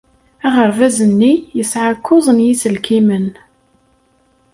Aɣerbaz-nni yesɛa kuẓ n yiselkimen.